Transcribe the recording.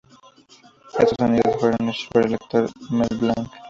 Estos sonidos fueron hechos por el actor Mel Blanc.